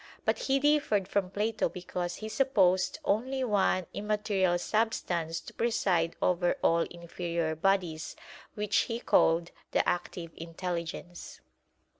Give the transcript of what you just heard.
But he differed from Plato because he supposed only one immaterial substance to preside over all inferior bodies, which he called the "active intelligence."